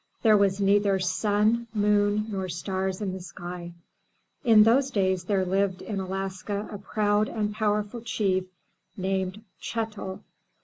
There was neither sun, moon, nor stars in the sky. In those days there lived in Alaska a proud and power ful chief, named Chet'l.